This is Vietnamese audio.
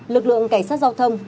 lực lượng cảnh sát giao thông